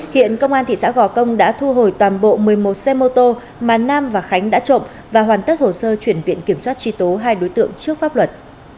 hiện công an thị xã gò công đã thu hồi toàn bộ một mươi một xe mô tô mà nam và khánh đã trộm và hoàn tất hồ sơ chuyển viện kiểm soát truy tố hai đối tượng trước pháp luật